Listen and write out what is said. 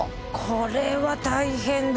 これは大変だ。